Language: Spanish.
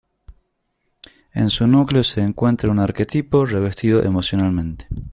En su núcleo se encuentra un arquetipo revestido emocionalmente.